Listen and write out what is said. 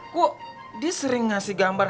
kok dia sering ngasih gambar